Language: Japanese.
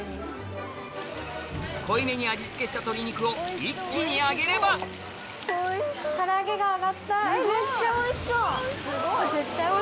濃いめに味付けした鶏肉を一気に揚げればめっちゃおいしそう！